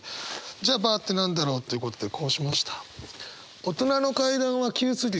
じゃあＢＡＲって何だろうっていうことでこうしました。